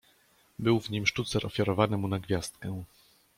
Był w nim sztucer ofiarowany mu na gwiazdkę.